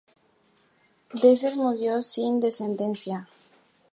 Dresser murió sin descendencia.